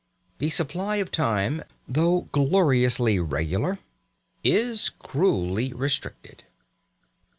The supply of time, though gloriously regular, is cruelly restricted.